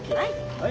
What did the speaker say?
はい。